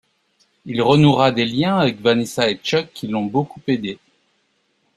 Il renouera des liens avec Vanessa et Chuck qui l'ont beaucoup aidé.